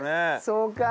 そうか。